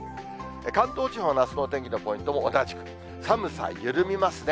関東地方のあすのお天気のポイントも同じく、寒さ緩みますね。